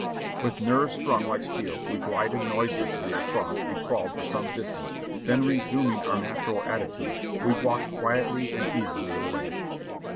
With nerves strung like steel we glided noiselessly across and crawled for some distance, then resuming our natural attitude, we walked quietly and easily away.